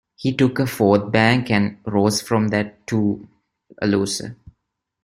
He took a fourth bank, and rose from that, too, a loser.